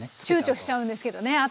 ちゅうちょしちゃうんですけどね。